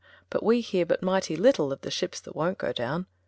But we hear but mighty little Of the ships that won't go down.